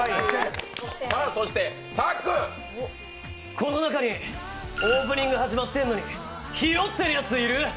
この中に、オープニング始まってんのにひよってるやついる？